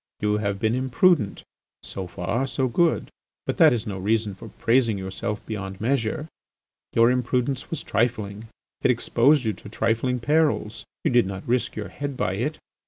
You have been imprudent. So far so good, but that is no reason for praising yourself beyond measure. Your imprudence was trifling; it exposed you to trifling perils; you did not risk your head by it.